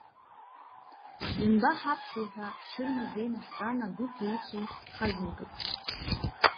Ианбаҳаԥхьои ҳәа ҳҽырмазеины ҳтәан агәыԥ еицу ҳазынтәык.